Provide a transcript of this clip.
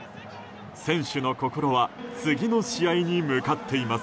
選手の心は次の試合に向かっています。